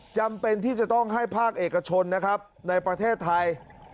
จำเป็นที่จะต้องให้ภาคเอกชนนะครับในประเทศไทย